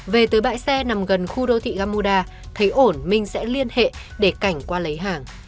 về tới bãi xe nằm gần khu đô thị gamuda thấy ổn minh sẽ liên hệ để cảnh qua lấy hàng